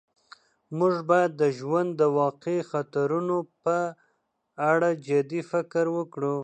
موږ باید د ژوند د واقعي خطرونو په اړه جدي فکر وکړو.